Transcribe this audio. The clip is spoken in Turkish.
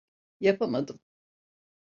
Yapamadım.